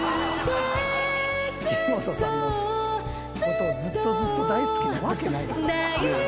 木本さんのことをずっとずっと大好きなわけない。